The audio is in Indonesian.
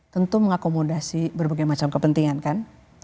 tentu mengakomodasi berbagai macam kepentingan kan